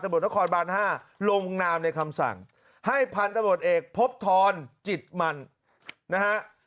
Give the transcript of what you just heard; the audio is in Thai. ตำรวจนครบาน๕ลงบุงนามในคำสั่งให้พันตำรวจเอกพบทรจิตมันนะฮะ